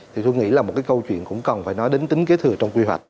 thì tôi nghĩ là một cái câu chuyện cũng cần phải nói đến tính kế thừa trong quy hoạch